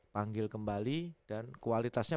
panggil kembali dan kualitasnya